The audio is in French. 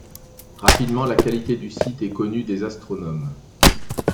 Rapidement la qualité du site est connue des astronomes.